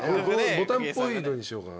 ボタンっぽいのにしようかな。